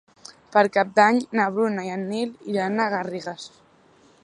Per Cap d'Any na Bruna i en Nil iran a Garrigàs.